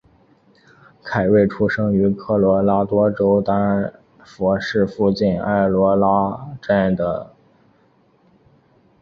凯瑞出生于科罗拉多州丹佛市附近爱罗拉镇的菲兹蒙斯部队医疗中心。